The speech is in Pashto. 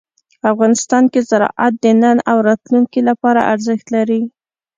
افغانستان کې زراعت د نن او راتلونکي لپاره ارزښت لري.